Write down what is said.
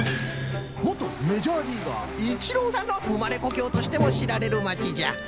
もとメジャーリーガーイチローさんのうまれこきょうとしてもしられるまちじゃ。